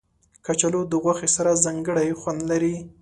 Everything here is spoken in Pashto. کچالو د غوښې سره ځانګړی خوند لري